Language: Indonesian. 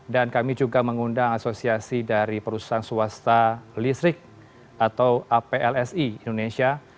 dan kami juga mengundang asosiasi dari perusahaan swasta listrik atau aplsi indonesia